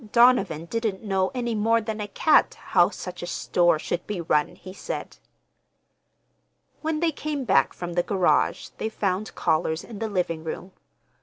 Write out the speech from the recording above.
Donovan didn't know any more than a cat how such a store should be run, he said. When they came back from the garage they found callers in the living room.